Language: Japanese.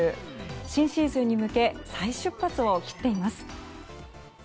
新シーズンに向け再出発を切っています。